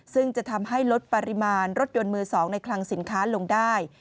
ซึ่งจะทำให้ลดปริมาณรถยนต์มือ๒ในคลังสินค้าลงได้